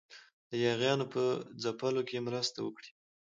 د یاغیانو په ځپلو کې مرسته وکړي.